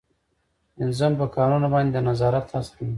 پنځم په کارونو باندې د نظارت اصل دی.